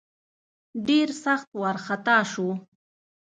ډېر سخت وارخطا سو.